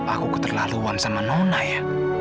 aku keterlaluan sama nona ya